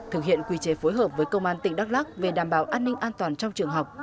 thực hiện quy chế phối hợp với công an tỉnh đắk lắc về đảm bảo an ninh an toàn trong trường học